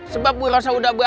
sebab gue rasa udah bantu ya